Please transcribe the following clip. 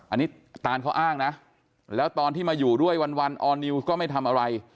อันนี้ตานเขาอ้างนะแล้วตอนที่มาอยู่ด้วยวันออร์นิวก็ไม่ทำอะไร